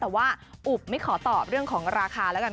แต่ว่าอุบไม่ขอตอบเรื่องของราคาแล้วกัน